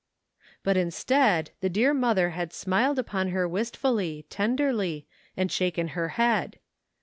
But instead the dear mother had smiled upon her wistfully, tenderly, and shaken her head.